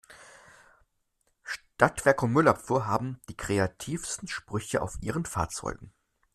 Stadtwerke und Müllabfuhr haben die kreativsten Sprüche auf ihren Fahrzeugen.